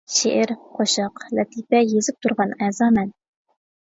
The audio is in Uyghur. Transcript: شېئىر، قوشاق، لەتىپە، يېزىپ تۇرغان ئەزا مەن.